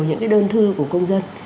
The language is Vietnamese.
những cái đơn thư của công dân